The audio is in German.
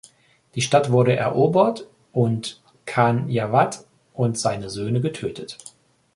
Die Stadt wurde erobert und Khan Javad und seine Söhne getötet.